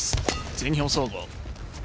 全日本総合。